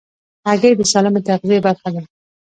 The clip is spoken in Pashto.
هګۍ د سالمې تغذیې برخه ده.